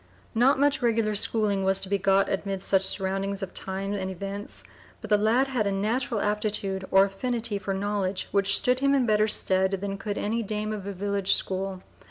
Not much regular schooling was to be got amid such surroundings of times and events, but the lad had a natural aptitude or affinity for knowledge which stood him in better stead than could any dame of a village school.